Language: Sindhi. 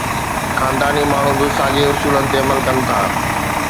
خانداني ماڻهو به ساڳئي اصول تي عمل ڪن ٿا.